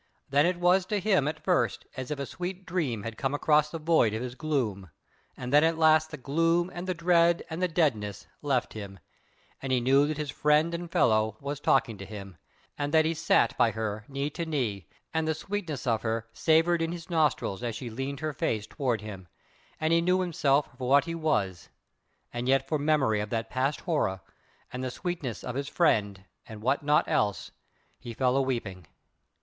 Then was it to him at first as if a sweet dream had come across the void of his gloom, and then at last the gloom and the dread and the deadness left him, and he knew that his friend and fellow was talking to him, and that he sat by her knee to knee, and the sweetness of her savoured in his nostrils as she leaned her face toward him, and he knew himself for what he was; and yet for memory of that past horror, and the sweetness of his friend and what not else, he fell a weeping.